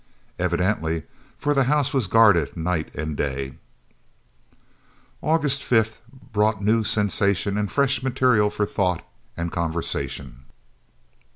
Evidently, for the house was guarded night and day. August 5th brought new sensation and fresh material for thought and conversation.